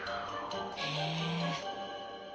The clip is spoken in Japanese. へえ。